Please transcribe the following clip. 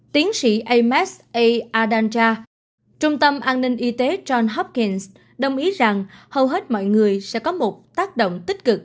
tiến sĩ ames a adanja trung tâm an ninh y tế john hopkins đồng ý rằng hầu hết mọi người sẽ có một tác động tích cực